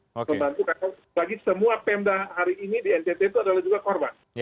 membantu karena bagi semua pemda hari ini di ntt itu adalah juga korban